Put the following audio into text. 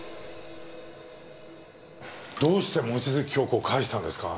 どうして望月京子を帰したんですか？